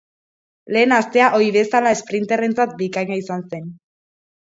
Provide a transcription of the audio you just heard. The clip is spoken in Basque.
Lehen astea, ohi bezala, esprinterrentzat bikaina izan zen.